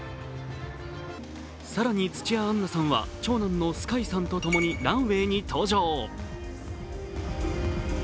更に土屋アンナさんは長男の澄海さんとともにランウエーに登場。